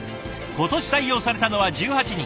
今年採用されたのは１８人。